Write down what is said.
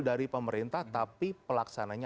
dari pemerintah tapi pelaksananya